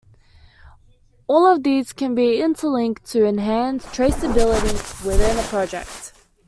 All of these can be interlinked to enhance traceability within a project.